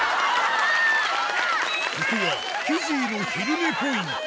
ここはキジーの昼寝ポイント